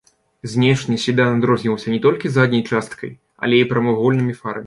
Знешне седан адрозніваўся не толькі задняй часткай, але і прамавугольнымі фарамі.